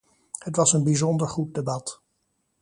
Het was een bijzonder goed debat.